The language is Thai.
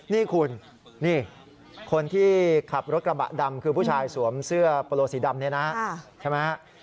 นี่คุณนี่คนที่ขับรถกระบะดำคือผู้ชายสวมเสื้อโปโลสีดำเนี่ยนะใช่ไหม